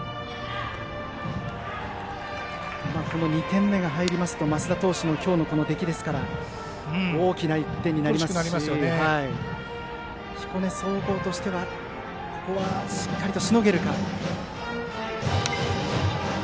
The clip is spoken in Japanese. ２点目が入りますと升田投手の今日の出来ですから大きな１点になりますし彦根総合としてはしっかり、ここはしのげるか。